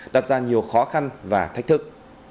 đặt ra nhiều khó khăn và thách thức